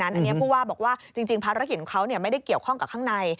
อันนี้ผู้ว่าบอกว่าจริงภารกิจของเขาไม่ได้เกี่ยวข้องกับข้างใน